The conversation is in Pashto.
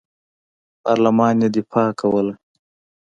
پارلمان یې دفاع کوله.